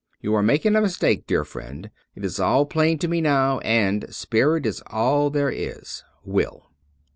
You are making a mistake, dear friend. It is all plain to me now, and spirit IS all there is. — Will.'